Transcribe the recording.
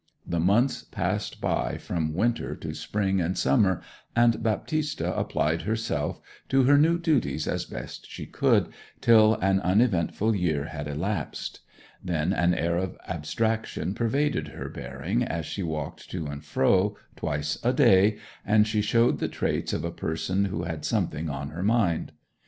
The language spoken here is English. The months passed by from winter to spring and summer, and Baptista applied herself to her new duties as best she could, till an uneventful year had elapsed. Then an air of abstraction pervaded her bearing as she walked to and fro, twice a day, and she showed the traits of a person who had something on her mind.